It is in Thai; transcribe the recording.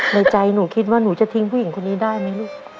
ในใจหนูคิดว่าหนูจะทิ้งผู้หญิงคนนี้ได้ไหมลูก